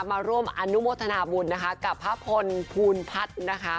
มาร่วมอนุโมทนาบุญนะคะกับพระพลภูลพัฒน์นะคะ